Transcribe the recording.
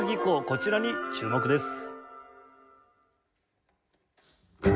こちらに注目です。